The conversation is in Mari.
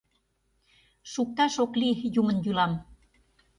Шукташ ок лий юмын йӱлам.